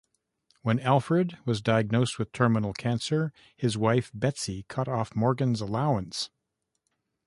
When Alfred was diagnosed with terminal cancer, his wife Betsy cut off Morgan's allowance.